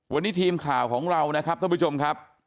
วันนี้ทีมข่าวของเรานะครับท่านผู้ชมครับ